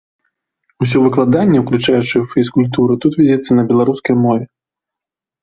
Усё выкладанне, уключаючы фізкультуру, тут вядзецца на беларускай мове.